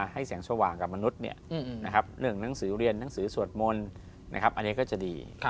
แสงสว่างกับมนุษย์เรื่องหนังสือเรียนหนังสือสวดมนต์อันนี้ก็จะดี